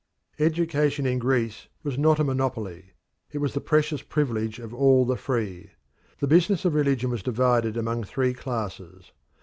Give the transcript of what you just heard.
Education in Greece was not a monopoly; it was the precious privilege of all the free. The business of religion was divided among three classes.